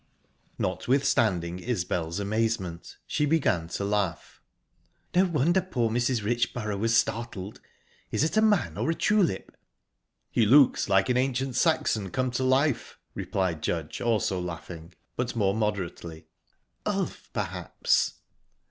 Notwithstanding Isbel's amazement, she began to laugh. "No wonder poor Mrs. Richborough was startled! Is it a man, or a tulip?" "He looks like an ancient Saxon come to life," replied Judge, also laughing, but more moderately. "Ulf, perhaps."